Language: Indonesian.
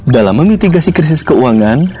dalam memitigasi krisis keuangan